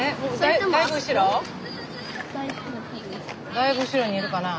だいぶ後ろにいるかな。